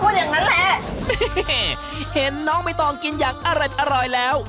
เอ้เห็นน้องไม่ต้องกินอย่างอร่อยแล้ว